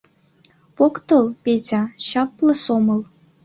Поктыл, Петя, чапле сомыл».